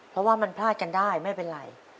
เพราะว่ามันพลาดกันได้ไม่เป็นไร